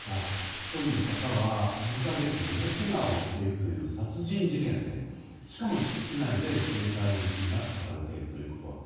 １人の方は３か月の大けがを負っているという殺人事件でしかも敷地内で自衛隊の銃が使われているということ。